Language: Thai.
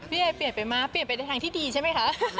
ไอเปลี่ยนไปมากเปลี่ยนไปในทางที่ดีใช่ไหมคะ